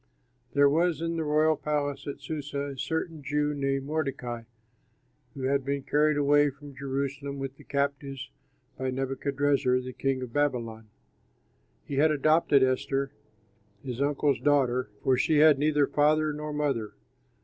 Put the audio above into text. There was in the royal palace at Susa, a certain Jew named Mordecai, who had been carried away from Jerusalem with the captives by Nebuchadrezzar, the king of Babylon. He had adopted Esther, his uncle's daughter, for she had neither father nor mother.